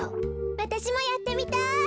わたしもやってみたい。